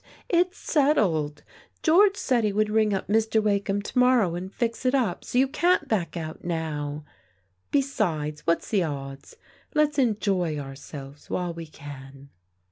It's settled. George said he would ring up Mr. Wakeham to morrow and fix it up, so you can't back out now. Besides, what's the odds? Let's enjoy ourselves while we can."